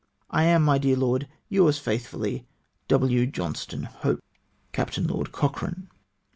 " I am, my dear Lord, your's faithfully, " W. Johnstone HorE. " Captain Lord Cochrane."